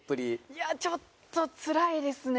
いやちょっとつらいですね。